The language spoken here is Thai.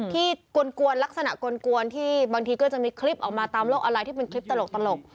กวนลักษณะกลวนที่บางทีก็จะมีคลิปออกมาตามโลกออนไลน์ที่เป็นคลิปตลก